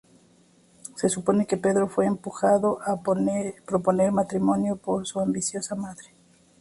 Se supone que Pedro fue empujado a proponer matrimonio por su ambiciosa madre.